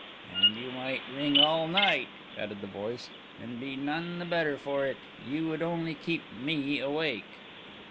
"And you might ring all night," added the voice, "and be none the better for it. You would only keep me awake."